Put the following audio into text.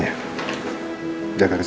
jaga kandungan kamu